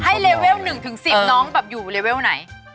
เลเวล๑๑๐น้องแบบอยู่เลเวลไหน